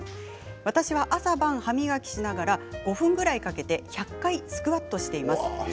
私は朝晩歯磨きをしながら５分ぐらいかけて、１００回スクワットをしています。